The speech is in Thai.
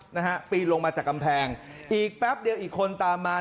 นะฮะปีนลงมาจากกำแพงอีกแป๊บเดียวอีกคนตามมา